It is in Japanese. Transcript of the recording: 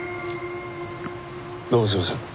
どうもすいません。